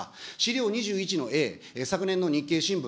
資料２１のＡ、昨年の日経新聞。